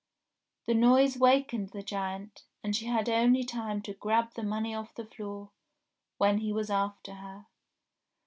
The noise wakened the giant, and she had only time to grab the money off the floor, when he was after her.